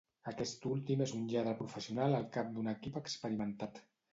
Aquest últim és un lladre professional al cap d'un equip experimentat.